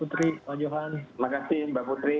terima kasih mbak putri